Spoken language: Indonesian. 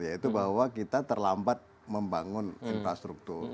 yaitu bahwa kita terlambat membangun infrastruktur